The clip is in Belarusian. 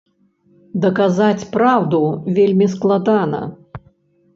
Даказаць праўду вельмі складана.